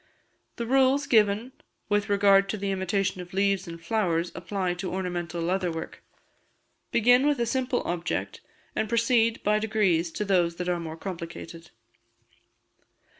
The rules given with regard to the imitation of leaves and flowers apply to ornamental leather work. Begin with a simple object, and proceed by degrees to those that are more complicated.